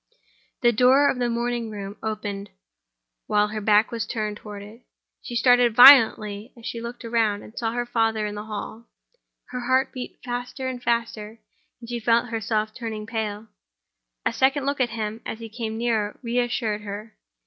The door of the morning room opened while her back was turned toward it. She started violently, as she looked round and saw her father in the hall: her heart beat faster and faster, and she felt herself turning pale. A second look at him, as he came nearer, re assured her.